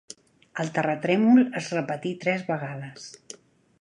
El terratrèmol es repetí tres vegades.